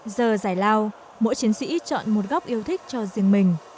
giờ giải lao mỗi chiến sĩ chọn một góc yêu thích cho riêng mình